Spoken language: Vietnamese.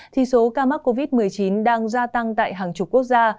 thì số ca mắc covid một mươi chín đang gia tăng tại hàng chục quốc gia